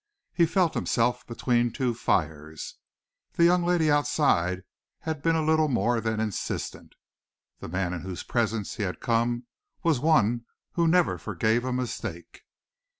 He felt himself between two fires. The young lady outside had been a little more than insistent. The man into whose presence he had come was one who never forgave a mistake.